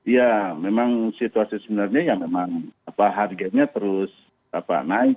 ya memang situasi sebenarnya harganya terus naik